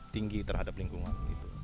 tinggi terhadap lingkungan